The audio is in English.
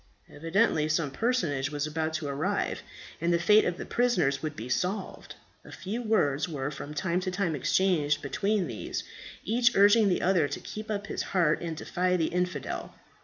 Evidently some personage was about to arrive, and the fate of the prisoners would be solved. A few words were from time to time exchanged between these, each urging the other to keep up his heart and defy the infidel.